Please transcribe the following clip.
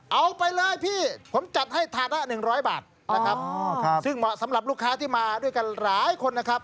เอาไปเลยพี่ผมจัดให้ถาดละ๑๐๐บาทนะครับซึ่งเหมาะสำหรับลูกค้าที่มาด้วยกันหลายคนนะครับ